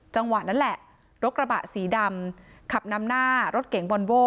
จังหวะนั้นแหละรถกระบะสีดำขับนำหน้ารถเก๋งวอนโว้